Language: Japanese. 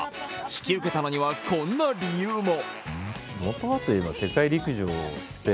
引き受けたのには、こんな理由も。